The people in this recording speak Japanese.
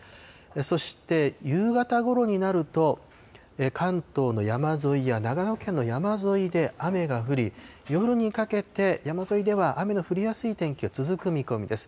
そして夕方ごろになると、関東の山沿いや長野県の山沿いで雨が降り、夜にかけて山沿いでは雨の降りやすい天気が続く見込みです。